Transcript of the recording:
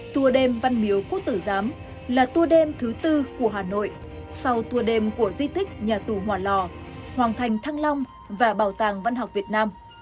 tour đêm văn miếu quốc tử giám là tour đêm thứ tư của hà nội sau tour đêm của di tích nhà tù hòa lò hoàng thành thăng long và bảo tàng văn học việt nam